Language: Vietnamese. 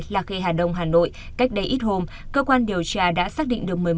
lạc kê hà đông hà nội cách đây ít hôm cơ quan điều tra đã xác định được